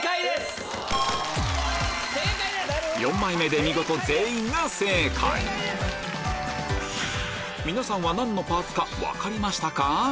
４枚目で見事皆さんは何のパーツか分かりましたか？